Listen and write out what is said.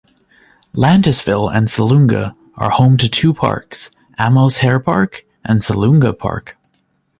Landisville and Salunga are home to two parks: Amos Herr Park, and Salunga Park.